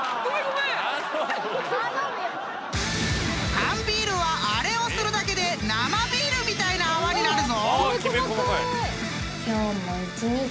［缶ビールはあれをするだけで生ビールみたいな泡になるぞ！］